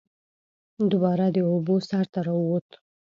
دوباره د اوبو سر ته راووت